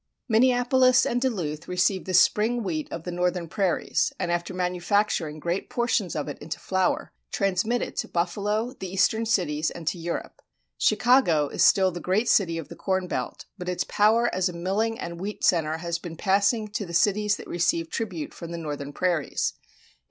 Minneapolis and Duluth receive the spring wheat of the northern prairies, and after manufacturing great portions of it into flour, transmit it to Buffalo, the eastern cities, and to Europe. Chicago is still the great city of the corn belt, but its power as a milling and wheat center has been passing to the cities that receive tribute from the northern prairies.